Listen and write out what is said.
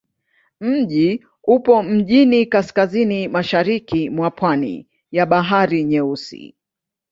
Mji upo mjini kaskazini-mashariki mwa pwani ya Bahari Nyeusi.